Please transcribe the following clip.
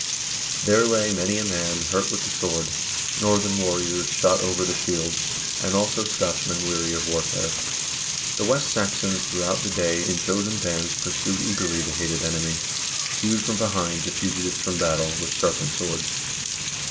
There lay many a man hurt with the sword, Northern warriors, shot over the shields, and also Scotchmen, weary of warfare. The West Saxons throughout the day, in chosen bands, pursued eagerly the hated enemy, hewed from behind the fugitives from battle, with sharpened swords.